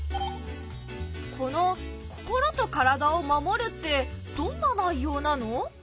この「心と体をまもる」ってどんな内容なの？